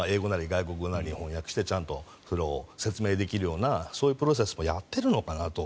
外国語なりに翻訳してちゃんとそれを説明できるようなそういうプロセスもやってるのかなと。